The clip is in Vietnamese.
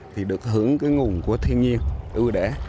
thì được hướng cái nguồn của thiên nhiên